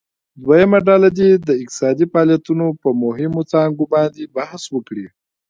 دویمه ډله دې د اقتصادي فعالیتونو په مهمو څانګو باندې بحث وکړي.